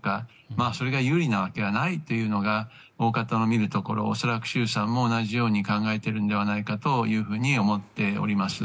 まあ、それが有利なわけがないというのが大方を見るところ恐らく習さんも同じように考えているのではないかと思っています。